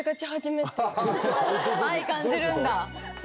愛感じるんだ。